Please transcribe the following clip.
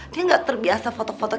dia gak terbiasa fotok fotoknya